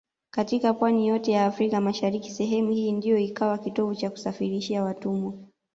Katika pwani yote ya Afrika mashariki sehemu hii ndio ikawa kitovu cha kusafirishia watumwa